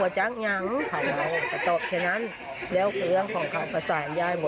ดูกันให้ใกล้ชิดนะครับเดี๋ยวฟังเสียงหน่อยครับ